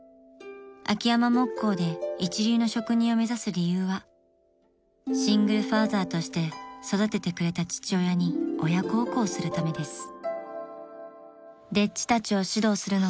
［秋山木工で一流の職人を目指す理由はシングルファーザーとして育ててくれた父親に親孝行するためです］